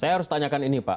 saya harus tanyakan ini pak